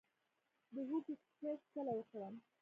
د هوږې کښت کله وکړم؟